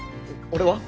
俺は？